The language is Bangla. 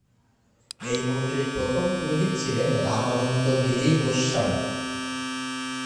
এই মন্দিরের প্রথম পুরোহিত ছিলেন রামানন্দ গিরি গোস্বামী।